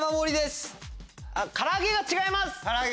唐揚げが違います。